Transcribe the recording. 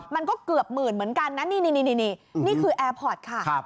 มันก็เกือบหมื่นเหมือนกันนะนี่นี่คือแอร์พอร์ตค่ะ